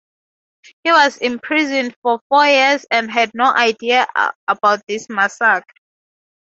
He was imprisoned for four years and had no idea about this massacre.